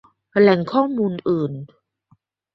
แหล่งข้อมูลอื่น